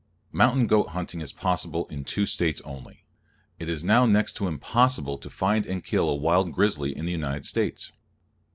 Mountain goat hunting is possible in two States only. It is now next to impossible to find and kill a wild grizzly in the United States.